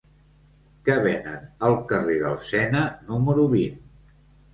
Què venen al carrer del Sena número vint?